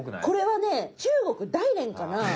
これはね中国大連かな？